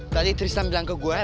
tadi trisam bilang ke gue